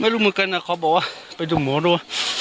ไม่รู้เหมือนกันนะครับบอกว่าไปดูหมอด้วย